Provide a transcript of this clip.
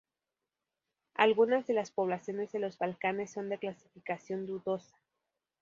Algunas de las poblaciones de los Balcanes son de clasificación dudosa.